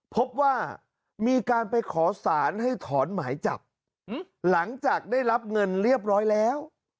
พบว่ามีการไปขอสารให้ถอนหมายจับหลังจากได้รับเงินเรียบร้อยแล้ว